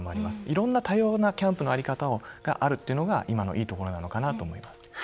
いろんな多様なキャンプの在り方があるというのが、今のいいところなのかなと思います。